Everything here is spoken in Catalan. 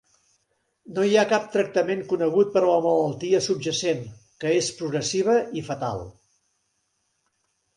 No hi ha cap tractament conegut per a la malaltia subjacent, que és progressiva i fatal.